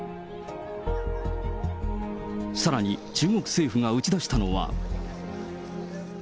さらに中国政府が打ち出したのは。